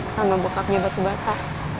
sama bokapnya batu bata